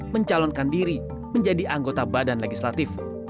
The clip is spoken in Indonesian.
mencalonkan diri menjadi anggota badan legislatif